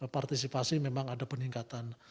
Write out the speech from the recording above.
partisipasi memang ada peningkatan